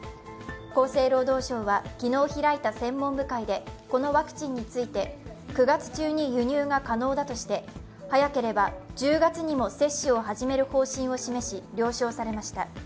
厚生労働省は昨日開いた専門部会でこのワクチンについて、９月中に輸入が可能だとして早ければ１０月にも接種を始める方針を示し、了承されました。